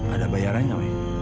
ada bayarannya wih